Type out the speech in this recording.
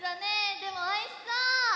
でもおいしそう！